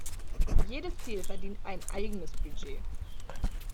Jedes Ziel verdient ein eigenes Budget.